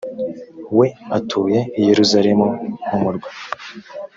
we utuye i yerusalemu mumurwa